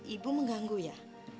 ibu mengganggu ya